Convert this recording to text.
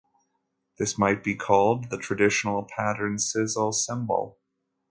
This might be called the traditional pattern sizzle cymbal.